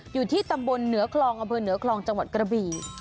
อยู่ที่ตำบลเหนือคลองอำเภอเหนือคลองจังหวัดกระบี่